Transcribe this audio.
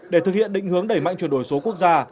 để thực hiện định hướng đẩy mạnh chuyển đổi số quốc gia